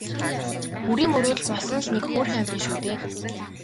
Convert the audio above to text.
Үрийн мөрөөдөл болсон л нэг хөөрхий амьтан шүү дээ.